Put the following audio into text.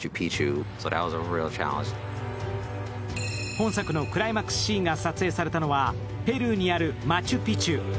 本作のクライマックスシーンが撮影されたのはペルーにあるマチュピチュ。